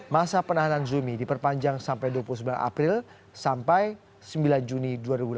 masa penahanan zumi diperpanjang sampai dua puluh sembilan april sampai sembilan juni dua ribu delapan belas